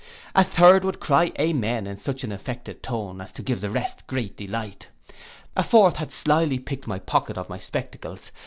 A third would cry amen in such an affected tone as gave the rest great delight. A fourth had slily picked my pocket of my spectacles.